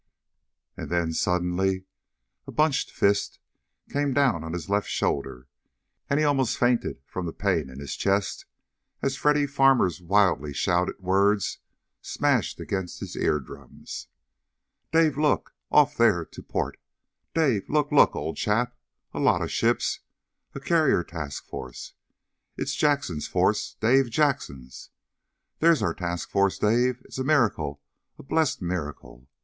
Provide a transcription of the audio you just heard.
And then, suddenly, a bunched fist came down on his left shoulder, and he almost fainted from the pain in his chest as Freddy Farmer's wildly shouted words smashed against his ear drums. "Dave, look! Off there to port! Dave, look, look, old chap! A lot of ships. A carrier task force. It's Jackson's force, Dave! Jackson's! There's our task force. Dave! It's a miracle, a blessed miracle!